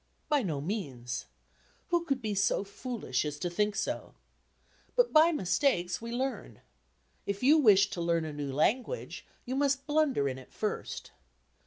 By no means. Who could be so foolish as to think so? But by mistakes we learn. If you wish to learn a new language you must blunder in it first.